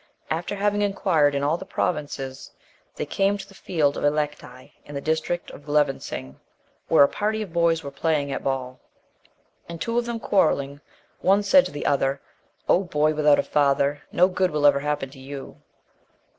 After having inquired in all the provinces, they came to the field of Aelecti,(1) in the district of Glevesing,(2) where a party of boys were playing at ball. And two of them quarrelling, one said to the other, "O boy without a father, no good will ever happen to you."